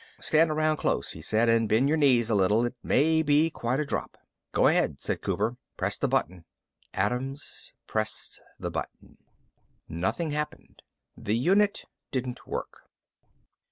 "Stand around close," he said, "and bend your knees a little. It may be quite a drop." "Go ahead," said Cooper. "Press the button." Adams pressed the button. Nothing happened. The unit didn't work.